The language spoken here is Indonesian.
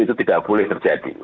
itu tidak boleh terjadi